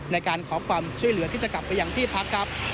ในการขอความช่วยเหลือที่จะกลับไปยังที่พักครับ